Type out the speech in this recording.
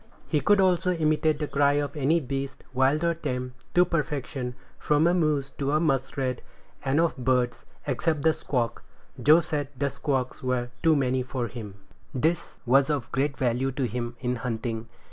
He could also imitate the cry of any beast, wild or tame, to perfection, from a moose to a muskrat; and of birds, except the squawk; Joe said the squawks were too many for him. This power was of great value to him in hunting.